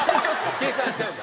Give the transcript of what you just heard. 計算しちゃうんだ。